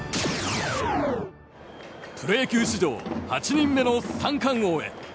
プロ野球史上８人目の三冠王へ。